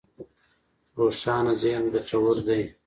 روښانه ذهن ګټور دی.